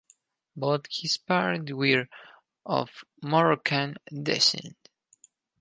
Both his parents were of Moroccan descent.